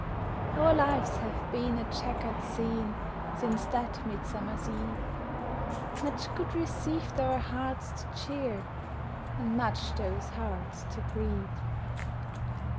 Our lives have been a checkered scene, Since that midsummer's eve; Much good received our hearts to cheer, And much those hearts to grieve.